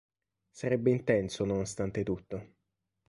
Sarebbe intenso nonostante tutto".